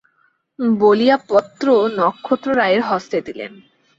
বলিয়া পত্র নক্ষত্ররায়ের হস্তে দিলেন।